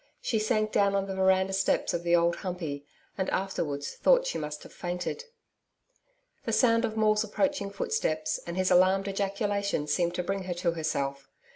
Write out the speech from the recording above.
She sank down on the veranda steps of the Old Humpey, and afterwards thought she must have fainted. The sound of Maule's approaching footsteps and his alarmed ejaculation seemed to bring her to herself.